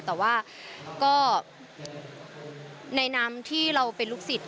แต่ว่าก็ในนามที่เราเป็นลูกศิษย